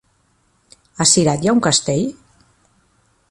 A Cirat hi ha un castell?